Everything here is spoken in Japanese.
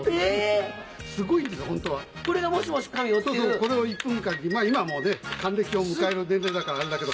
これを１分間に今はもう還暦を迎える年齢だからあれだけど。